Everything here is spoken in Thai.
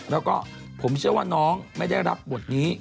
แล้วก็ผมเชื่อว่าน้องไม่ได้รับบทนี้